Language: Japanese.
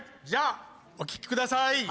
じゃあお聴きください